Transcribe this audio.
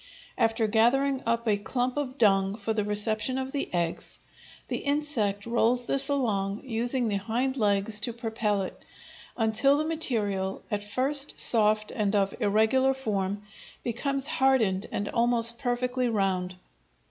After gathering up a clump of dung for the reception of the eggs, the insect rolls this along, using the hind legs to propel it, until the material, at first soft and of irregular form, becomes hardened and almost perfectly round.